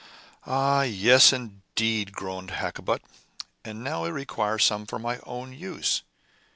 "Ah! yes, indeed," groaned Hakkabut, "and now I require some for my own use.